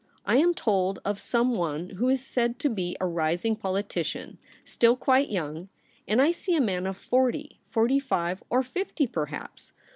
I am told of some one who is said to be a rising politi cian, still quite young ; and I see a man of forty, forty five, or fifty perhaps.